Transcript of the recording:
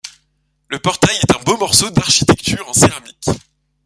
Le portail est un beau morceau d'architecture en céramique.